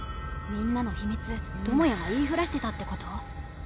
みんなの秘密智也が言いふらしてたってこと？